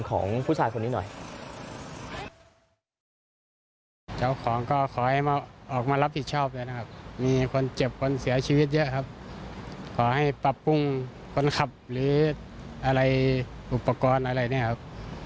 ขอให้ปรับปรุงคนขับหรืออะไรอุปกรณ์อะไรเนี่ยครับ